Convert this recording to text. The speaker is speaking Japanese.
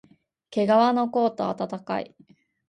けがわのコート、あたたかい